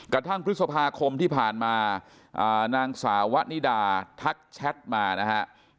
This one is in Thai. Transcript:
กระทั่งพฤษภาคมที่ผ่านมานางสาวะนิดาทักแชทมานะครับ